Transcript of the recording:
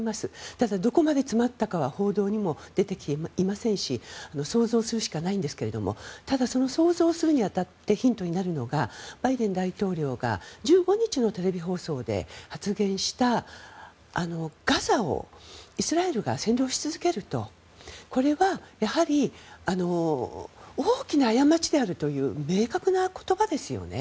ただ、どこまで詰まったかは報道にも出てきていませんし想像するしかないですがただ、想像するに当たってヒントになるのがバイデン大統領が１５日のテレビ放送で発言したガザをイスラエルが占領し続けるとこれはやはり大きな過ちであるという明確な言葉ですよね。